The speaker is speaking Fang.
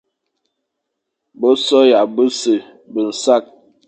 Besoña bese be nsakh,